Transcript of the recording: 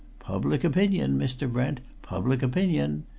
Public opinion, Mr. Brent, public opinion!